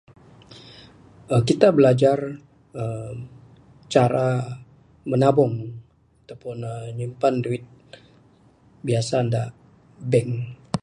uhh kita bilajar uhh Cara menabung ato pun nyimpan duit, biasa da bank.